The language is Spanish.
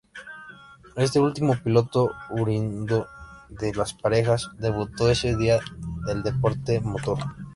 Este último piloto, oriundo de Las Parejas, debutó ese día en el deporte motor.